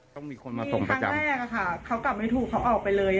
ต้องมีคนมาส่งประจำแรกอะค่ะเขากลับไม่ถูกเขาออกไปเลย